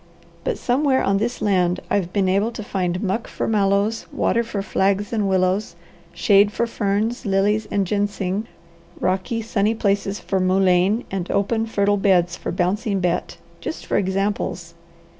"But somewhere on this land I've been able to find muck for mallows, water for flags and willows, shade for ferns, lilies, and ginseng, rocky, sunny spaces for mullein, and open, fertile beds for Bouncing Bet just for examples.